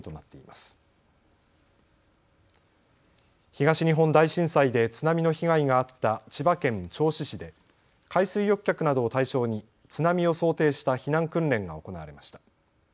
東日本大震災で津波の被害があった千葉県銚子市で海水浴客などを対象に津波を想定した避難訓練が行われました。